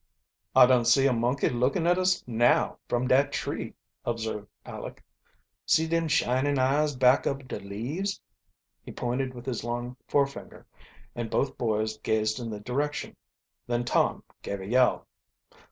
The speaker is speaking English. "I dun see a monkey lookin' at us now, from dat tree," observed Aleck. "See dem shinin' eyes back ob de leaves?" He pointed with his long forefinger, and both, boys gazed in the direction. Then Tom gave a yell.